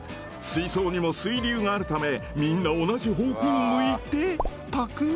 水槽にも水流があるためみんな同じ方向を向いてパクッパクッ。